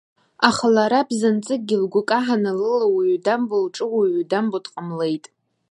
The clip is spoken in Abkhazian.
Аха лара бзанҵыкгьы лгәы каҳаны, лыла уаҩы дамбо, лҿы уаҩы дамбо дҟамлеит.